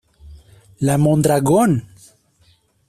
La Mondragón!